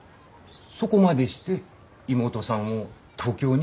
そこまでして妹さんを東京に？